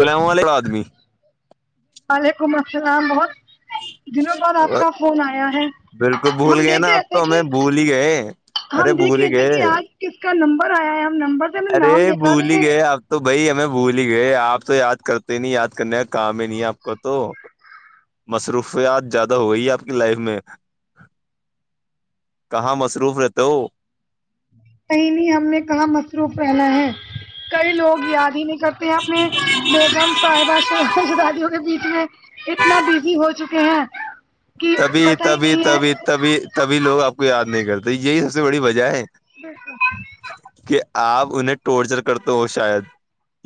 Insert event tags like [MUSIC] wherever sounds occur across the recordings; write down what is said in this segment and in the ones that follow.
اسلام علیکم آدمی وعلیکم السلام بہت دنوں بعد آپ کا فون آیا ہے بالکل بھول ہم گئے دیکھ نا آپ رہے تھ تو کہ ہمیں بھول ہی گئے ارے ہم دیکھ بھول ہی رہے تھے گئے کہ آج کس کا نمبر آیا ہے ہم نمبر سے ہمیں ارے نام دکھا بلی رہے گی تو بھائی ہمیں بھول ہی گئے آپ تو یاد کرتے نہیں یاد کرنے کا کام ہی نہیں ہے آپ کا تو مصروفیات زیادہ ہو گئی ہے آپ کی لائف میں کہاں مصروف رہتے ہو کہیں نہیں ہم نے کہاں مصروف پنا ہے کئی لوگ یاد ہی نہیں کرتے ہیں اپنے بیگم صاحبہ سہزادیوں کے بیچ میں اتنا بزی ہو چکے ہیں کہ تبھی پتہ ہی تبھی نہیں ہے تبھی تبھی تبھی لوگ آپ کو یاد نہیں کرتے یہی سب سے بڑی وجہ ہے بالکل کہ آپ انہیں ٹورچر کرتے ہو شاید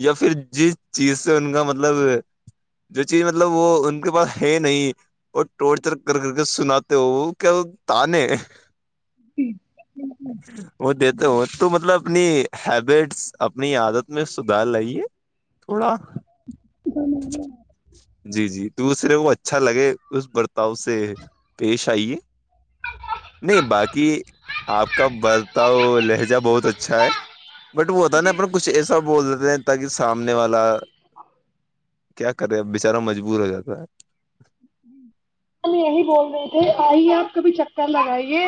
یا پھر جس چیز سے ان کا مطلب ہے جو چیز مطلب وہ ان کے پاس ہے نہیں اور ٹورچر کر کر کے سناتے ہو وہ کیا تان وہ دیتے ہ تو مطلب اپنی ہیبٹس اپنی عادت میں سدھار لے تھوڑا [UNINTELLIGIBLE] جی جی دوسرے کو اچھا لگے اس برتاؤ سے پیش آئیے نہیں باقی آپ کا برتاؤ لہجہ بہت اچھا ہے بٹ وہ ہوتا نا اپن کچھ ایسا بول دیتے ہیں تاکہ سامنے والا کیا کرے بچارا مجبور ہو جاتا ہے جی ہم یہی بول رہے تھے آئیے آپ کبھی چکر لگائیے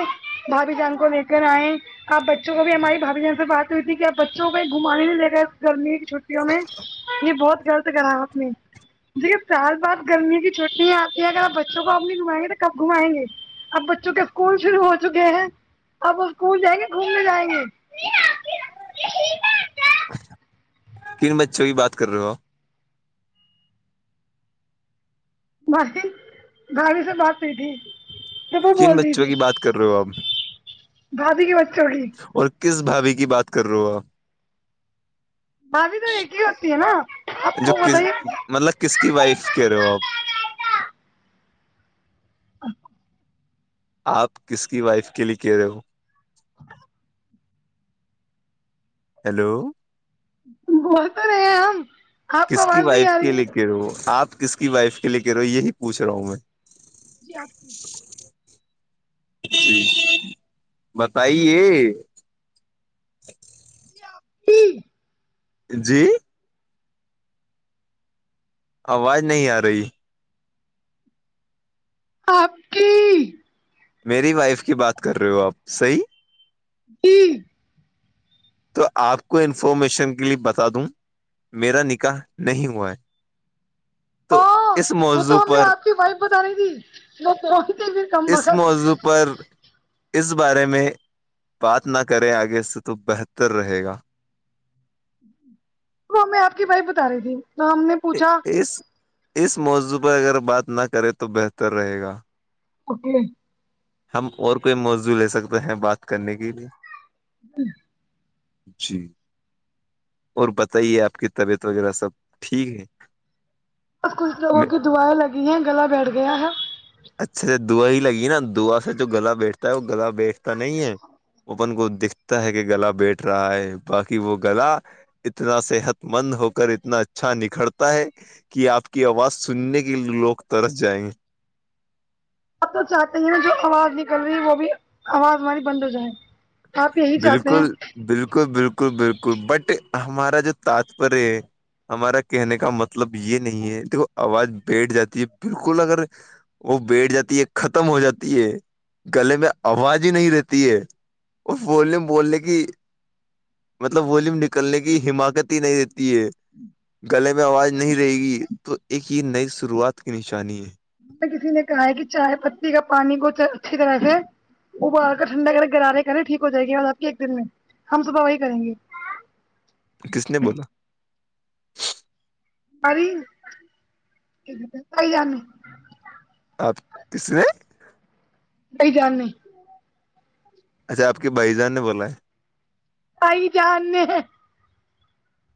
بھابی جان کو لے کر آئے آپ بچوں کو بھی ہماری بھائی جان سے بات ہوئی تھی کہ آپ بچوں کو میں گھمانے نہیں لے گرمی کی چھٹیوں میں یہ بہت غلط کرا آپ نے دیکھیے سال بعد گرمی کی چھٹیاں کہ اگر آپ بچوں کو اب نہیں گھمائیں گے تو کب گھمائیں گے اب بچوں کے اسکول شروع ہو چکے ہیں اب اسکول جائیں گے گھومنے جائیں گے کن بچوں کی بات کر رہے ہو بھائی بھابی سے بات ہوئی تھی جب وہ کن بول رہی بچوں تھی کی بات کر رہے ہو آپ بھابھی کے بچوں کی اور کس بھابھی کی بات کر رہو ہو بھابھی تو ایک ہی ہوتی ہے نا آپ جو کو کس بتائیے مطلب کس کی وائف کہہ رہے ہو آپ آپکو آپ کس کی وائف کے لیے کہہ رہے ہو ہیلو بول تو رہے ہیں ہم آپ کو آواز نہیں آرہی ہے ہیلو آپ کس کی وائف کے لیے کہ رہے ہو یہی پوچ رہا ہوں میں جی آپ جی بتائیے جی آپ کی جی آواز نہیں آ رہی آپ کی میری وائف کی بات کر رہے ہو آپ صحیح جی تو آپ کو انفارمیشن کے لیے بتا دوں میرا نکاح نہیں ہوا ہے تو اس موضوع پر آپکی وائف بتارہی تھی میں فون اس موضوع پر اس بارے میں بات نہ کریں آگے سے تو بہتر رہے گا ہمیں آپ کی وایف بتا رہی تھی نہ ہم نے پوچھا اس اس موضوع پر اگر بات نہ کرے تو بہتر رہے گا او کے ہم اور کوئی موضوع لے سکتے ہیں بات کرنے کے لیے [INAUDIBLE] جی اور بتائیے آپ کی طبیعت وغیرہ سب ٹھیک ہے بس کچھ لوگوں میں کی دعائیں لگی ہیں گلا بیٹھ گیا ہے اچھا دهوا ہی لگی ہے نا دهوا سے جو گلا بیٹھتا ہے وہ گلا بیٹھتا نہیں ہے وہ اپن کو دکھتا ہے کہ گلا بیٹھ رہا ہے باقی وہ گلا اتنا صحت مند ہو کر اتنا اچھا نکھرتا ہے کی آپ کی آواز سننے کے لیےلوگ ترس جائیں گے آب تو چاہتے ہیں نا جو آواز نکل رہی ہے وہ بھی آواز ہماری بند ہو جائے آپ یہی چاہتے بالکل ہیں بالکل بالکل بالکل بٹ ہمارا جو [UNINTELLIGIBLE] ہے ہمارا کہنے کا مطلب یہ نہیں ہے دیکھو آواز بیٹھ جاتی ہے بالکل اگر وہ بیٹھ جاتی ہے ختم ہو جاتی ہے گلے میں آواز ہی نہیں رہتی ہے بولنے بولنے کی مطلب والیوم نکلنے کی حماکت ہی نہیں رہتی ہے گلے میں آواز نہیں رہے گی تو ایک یہ نئی شروعات کی نشانی ہے مجھےکسی نے کہا ہے کہ چائے پتی کا پانی کو اچھی طرح سے اوبال کر ٹھنڈا کر گرارے کرے ٹھیک ہو جائے گی آپ کے ایک دن میں ہم صبح وہی کریں گے کس نے بولا اری بھائی جان نے آپ کس نے بھائی جان نے اچھا آپ کے بھائی جان نے بولا ہے بھائی جان نے ہ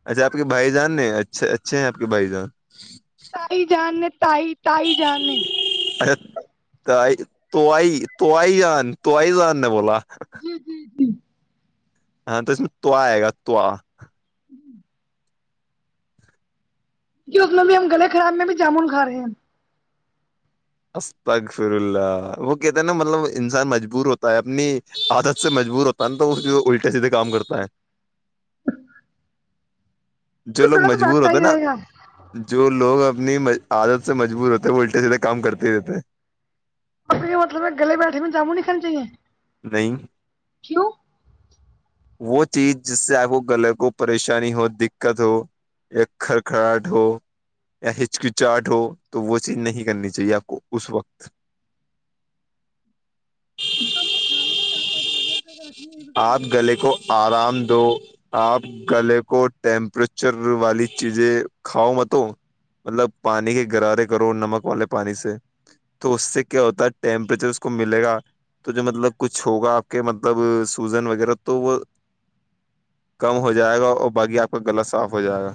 اچھا آپ بھائی جان نے اچھے اچھے ہیں آ پ کے بھائی جان تائی جان نے تائی تائی جان نے ا تاآئی تو آئی جان تو آئی جان نے بولا جی جی جی ہاں تو اس میں طوا آئے گا طووا کی اس میں بھی ہم گلا خراب میں بھی جامن کھا رہے ہیں اسقفر اللہ وہ کہتے ہیں نا مطلب انسان مجبور ہوتا ہے اپنی عادت سے مجبور ہوتا کل تو وہ الٹے سیدھے کام کرتا ہے جو تو لوگ گلا تو مجبور بیٹھتا ہوتے ہی نا رہے گا جو لوگ اپنی مہ عادت سے مجبور ہوتے ہیں وہ الٹے سیدھےکام کرتے ہی رہتے ہیں اپ یہ مطلب گلے بیٹھے میں جامن نہیں کھانا چاہیے نئی کیوں وہ چیز جس سے آپ کو گلہ کو پریشانی ہو دکت ہو ایک کرکھڑاہٹ ہو یا ہچ کی چاہٹ ہو تو وہ چیز نہیں کرنی چاہیے آپ کو اس وقت تو ہم نے کھانے ہے چار پانچ بجے تک آپ رکھنی گلے کو آرام دو آپ گلے کو ٹیمپریچر والی چیزیں کھاؤ میںت مطلب پانی کے گغرارے کرو نمک والے پانی سے تو اس سے کیا ہوتا ہے ٹیمپریچر اس کو ملے گا تو جو مطلب کچھ ہوگا آپ کے مطلب سوزن وغیرہ تو وہ کم ہو جائے گا اور باقی آپ کا گلا صاف ہو جائے گا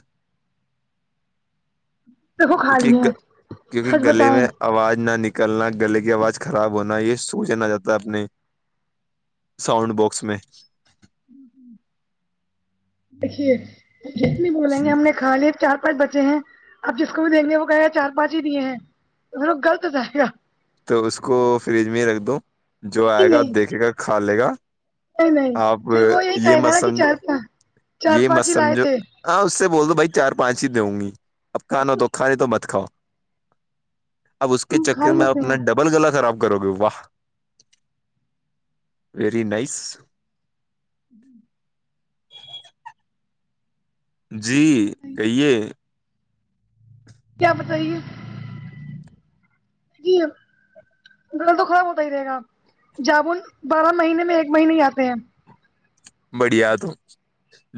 دیکھو کھا کیونکہ لیے کیونکہ سچ گلے بتائیں میں آواز نہ نکلنا گلے کی آواز خراب ہونا یہ وہ جانا جاتا ہے اپنے ساؤنڈ باکس میں دیکھیے جس نے بولیں گے ہم نے کھا لییا چا پچ بچے ہیں آپ جس کو بھی دیں گے وہ کہے گا چار پانچ ہی دیے ہیں پھر وہ غلط بتاے گا تو اس کو فریج میں ہی رکھ دو جو آئے نہیں گا نہیں دیکھے گا کھا لے گا نہیں نہیں آپ پھر وہ یہی یہ کہے گا مت نا کہ سمجھو چار پانچ چار یہ مت پانچ ہی لائے سمجھو تھے ہاں اس سے بول دو بھائی چار پانچ ہی دوں گی اب کھانا تو کھانے تو مت کھاؤ اب اس کے ہم کھا چکر ہی میں آپ لیتے ہیں ڈبل گلا خراب کرو گے واہ ویری نائس جی [INAUDIBLE] جی کہیے کیا بتائیے جی گلا تو خراب ہوتا ہی رہے گا جامن بارہ مہینے میں ایک مہینے ہی آتے ہیں بڑھیا تم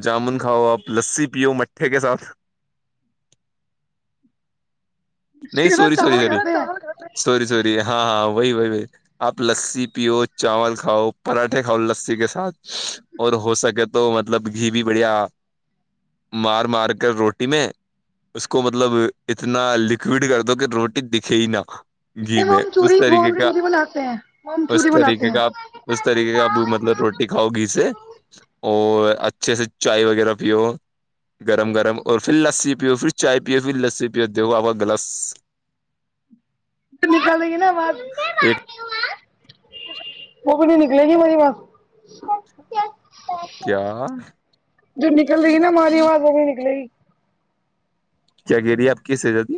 جامن کھاؤ آپ لسی پیو مٹکھے کے ساتھ اس نہیں کے سوری ساتھ سوری چاول سوری کھاتے ہیں سوری سوری ہاں وہی وہی وہی آپ لسی پیو چاول کھاؤ پراٹھے کھاؤ لسی کے ساتھ اور ہو سکے تو تو مطلب گھی بھی بڑھیا مار مار کر روٹی میں اس کو مطلب اتنا لکھ کیڈ کر دو کہ روٹی دکھے ہی نہ گھی نہیں وہ میں ہم اس چوری وہ طریقے ہم کا چوری بناتے ہیں وہ ہم اس چوری بناتے طریقے ہیں کا آپ اس طریقے کا اپ مطلب روٹی کھاؤ گھی سے اور اچھے سے چائے وغیرہ پیو گرم گرم اور پھر لسی پیو پھر چائے پیو پھر لسی پیو دیکھو آپ گلس نکالیں گی نا آواز ہاں خود ہی نکلے گی مری بات کیا جو نکل رہی نا ماری آواز وہ نہی نکلے گی کیا کہہ رہی ہے آپ کی شہزادی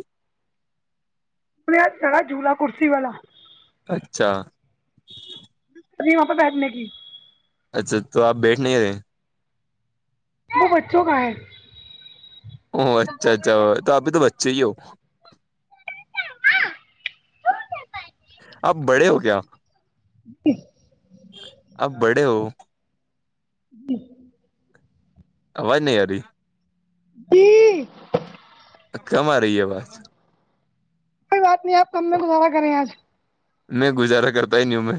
وہ یہ سڑا جولا کرسی والا اچھا ابھی وہاں پہ بیٹھنے گئی اچھا تو آپ بیٹھ نے آئے وہ بچوں کا ہے او اچھا اچھا تو اپ تو بچے ہی ہو آپ بڑے ہو کیا [INAUDIBLE] اپ بڑے ہو ایک آواز نہیں اری [UNINTELLIGIBLE] کم آ رہی ہے آواز کوئی بات نہیں آپ کم میں گزارا کریں آج نہی گزارا کرتا ہی نہیں ہوں میں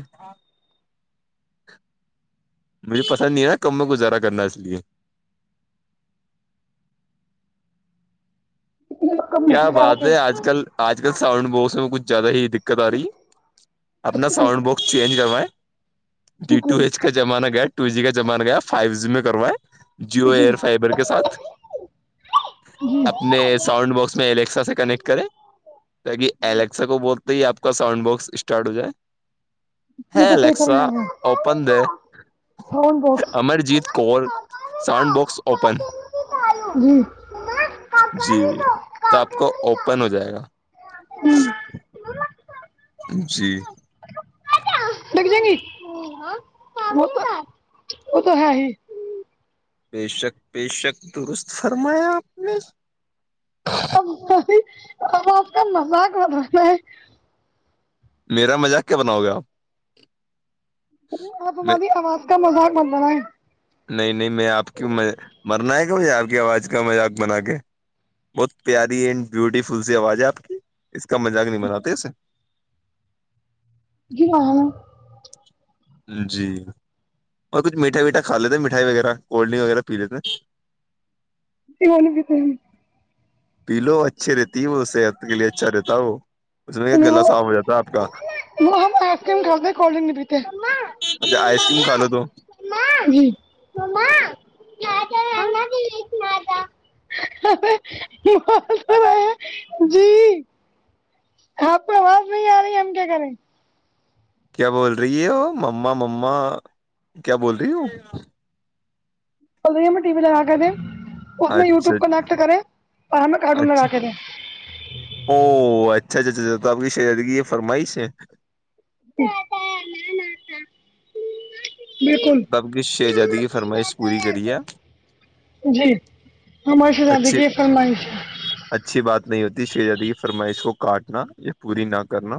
مجھے پسند نہیں ہے نا کم میں گزارا کرنا اس لیے کم میں کیا گزارا بات ہے آج کل آج کل ساؤنڈ باکس میں کچھ زیادہ ہی دقت آ رہی ہے اپنا کریں ساؤنڈ باکس چینج کروائے ڈی ٹو بالکل ایچ کا زمانہ گیا ٹو جی کا زمانہ گیا فائیو جی میں کروائیں جیو جی ایئر جی فائبر کے ساتھ اپنے ساؤنڈ باکس میں الیکسا سے کنیکٹ کریں تاکہ الیکسا کو بولتے ہی آپ کا ساؤنڈ باکس اسٹارٹ ہو جائے ہے بالکل صحیح الیکسا فرما رہے اوپن دے ہیں ساؤنڈ باکس امرجیت کول ساؤنڈ باکس اوپن جی جی تو آپ کو اوپن ہو جائے گا جی نہیں نہیں وہ تو وہ تو ہے ہی بے شک بےشک درست فرمایا آپ نے اب ہم آپ کا مذاق بنانا ہے میرا مزاق کیا بناؤ گے آپ آپ میں ہماری آواز کا مذاق مت بناے نہیں نہیں میں آپ کی م مرنا ہے کیا بھی آپ کی آواز کا مذاق بنا کے بہت پیاری اینڈ بیوٹیفل سی آواز ہے آپ کی اس کا مذاق نہیں بناتے ایسے جی ہاں [UNINTELLIGIBLE] ہاں جی اور کچھ میٹھا ویٹھا کھالیتے ہے مٹھائی وغیرہ کولڈرنک وغیرہ پی لیتے ہیں ج ہوول بھی تو [UNINTELLIGIBLE] پیلو اچھی رہتی ہے وہ صحت کے لیے اچھا رہتا ہے وہ اس میں کیا نہیں گلا وہ صاف ہو جاتا ہے آپ کا وہ ہم آئسکریم کھاتے ہے کولڈ ڈرنک نہیں پیتے اچھا آئسکریم کھالو تو [UNINTELLIGIBLE] جی [UNINTELLIGIBLE] آپ کو آواز نہیں آ رہی ہے ہم کیا کریں کیا بول رہی ہو مما مما کیا بول رہی ہو بول رہی ہے ہمیں ٹی وی لگا کے دیں اس میں اچھا یوٹیوب کنیکٹ کرے اور ہمیں کارٹون لگا اچھا کے دیں او اچھا اچھا اچا تو آپ کی شہزادی کی یہ فرمائش ہے پ ل ن تھا [UNINTELLIGIBLE] آپ کی شہزادی کی فرمائش پوری کریے جی ہماری شہزادی اچھی کی یہ فرمائش ہے اچھی بات نہیں ہوتی شہزادی کی فرمائش کو کاٹنا یا پوری نہ کرنا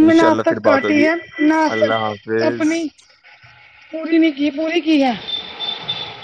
ان میں نہ شاء اب اللہ تک پھر بات کاٹی ہوگی ہے نہ اپ اللہ حافظ اپنی پوری نہیں کی پوری کی ہے